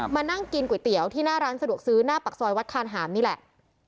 มานั่งกินก๋วยเตี๋ยวที่หน้าร้านสะดวกซื้อหน้าปากซอยวัดคานหามนี่แหละ